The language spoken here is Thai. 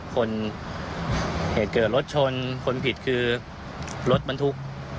คนเหตุเกิดรถชนคนผิดคือรถมันทุกข์